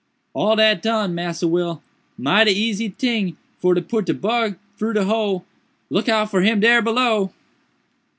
"All dat done, Massa Will; mighty easy ting for to put de bug fru de hole—look out for him dare below!"